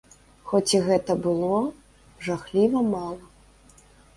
Хоць і гэта было жахліва мала.